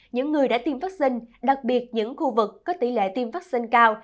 những người đã tiêm vaccine đặc biệt những khu vực có tỷ lệ tiêm vaccine cao